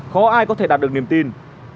khó ai có thể đạt được niềm tin